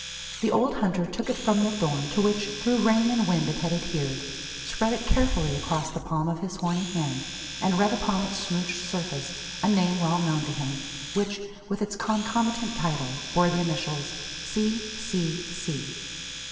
The old hunter took it from the thorn to which, through rain and wind, it had adhered; spread it carefully across the palm of his horny hand; and read upon its smouched surface a name well known to him; which, with its concomitant title, bore the initials, "C.C.C."